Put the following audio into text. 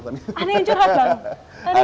ada yang curhat bang